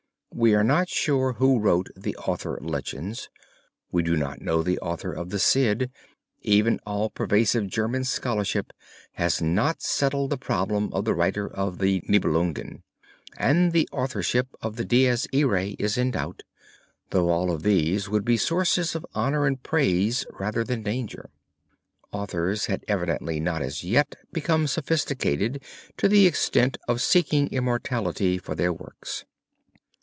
We are not sure who wrote the Arthur Legends, we do not know the author of the Cid, even all pervasive German scholarship has not settled the problem of the writer of the Nibelungen, and the authorship of the Dies Irae is in doubt, though all of these would be sources of honor and praise rather than danger. Authors had evidently not as yet become sophisticated to the extent of seeking immortality for their works.